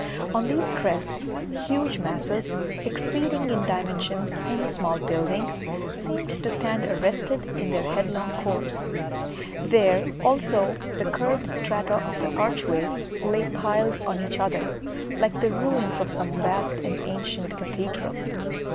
On these crests huge masses, exceeding in dimensions any small building, seemed to stand arrested in their headlong course: there, also, the curved strata of the archways lay piled on each other, like the ruins of some vast and ancient cathedral.